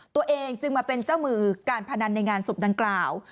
ตัวเองจึงมาเป็นเจ้ามือการพนันในงานศพดังกล่าว